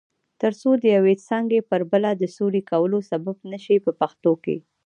ترڅو د یوې څانګې پر بله د سیوري کولو سبب نشي په پښتو کې.